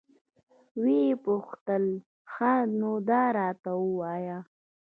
ويې پوښتل ښه نو دا راته ووايه.